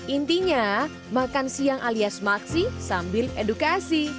intinya makan siang alias maksi sambil edukasi